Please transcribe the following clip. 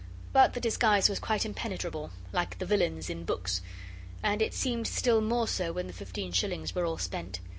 But the disguise was quite impenetrable, like the villains' in the books; and it seemed still more so when the fifteen shillings were all spent.